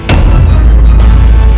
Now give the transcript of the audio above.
hukuman yang lebih berat lagi